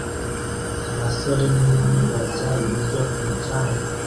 Abasore n'inkumi barya ibiryo ku mucanga